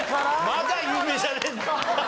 まだ有名じゃねえんだ。